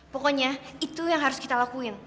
pokoknya itu yang harus kita lakuin